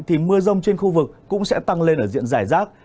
thì mưa rông trên khu vực cũng sẽ tăng lên ở diện giải rác